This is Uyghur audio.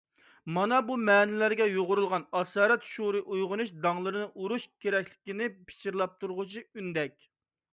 مانا بۇ مەنىلەرگە يۇغۇرۇلغان «ئاسارەت» شۇئۇرى ئويغىنىش داڭلىرىنى ئۇرۇش كېرەكلىكىنى پىچىرلاپ تۇرغۇچى ئۈندەك.